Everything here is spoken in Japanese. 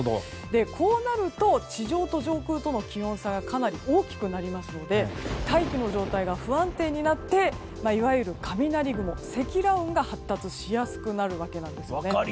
こうなると、地上と上空との気温差がかなり大きくなりますので大気の状態が不安定になっていわゆる雷雲、積乱雲が発達しやすくなるんです。